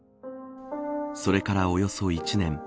それからおよそ１年。